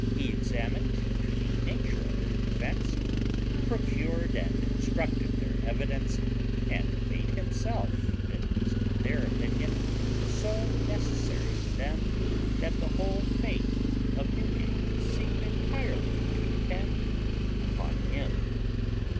He examined into the nature of their defence, procured and instructed their evidence, and made himself, at least in their opinion, so necessary to them, that the whole fate of Newgate seemed entirely to depend upon him.